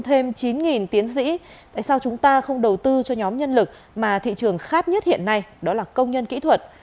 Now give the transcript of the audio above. đặt ra là thay vì bổ sung thêm chín tiến sĩ tại sao chúng ta không đầu tư cho nhóm nhân lực mà thị trường khác nhất hiện nay đó là công nhân kỹ thuật